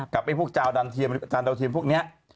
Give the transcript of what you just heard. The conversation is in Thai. กับพวกจาวดันเทียมจานดาวเทียมพวกนี้